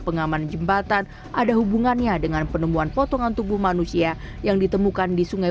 pengaman jembatan ada hubungannya dengan penemuan potongan tubuh manusia yang ditemukan di sungai